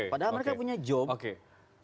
padahal mereka punya pekerjaan